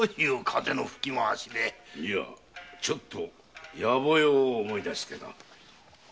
ちょっとヤボ用を思い出してな。